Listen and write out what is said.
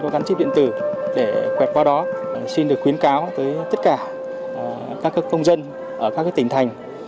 gắn chip điện tử để quẹt qua đó xin được khuyến cáo tới tất cả các công dân ở các tỉnh thành